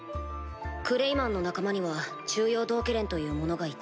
クレイマンの仲間には中庸道化連という者がいた。